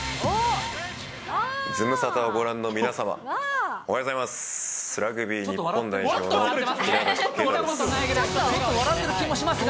ズムサタをご覧の皆様、おはようございます。